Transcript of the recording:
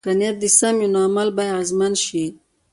که نیت سم وي، نو عمل به اغېزمن شي.